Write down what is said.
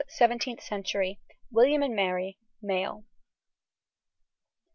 ] SEVENTEENTH CENTURY. WILLIAM AND MARY. MALE.